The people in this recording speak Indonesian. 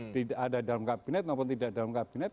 tidak ada dalam kabinet maupun tidak dalam kabinet